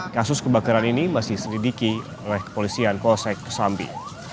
kasus kebakaran ini masih selidiki oleh kepolisian polsek kesambi